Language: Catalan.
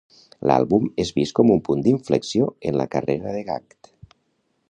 L'àlbum és vist com un punt d'inflexió en la carrera de Gackt.